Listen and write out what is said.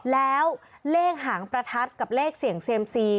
แล้วเลขหางประทัดกับเลขเสี่ยงเซียมซี